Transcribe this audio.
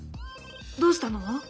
どうしたの？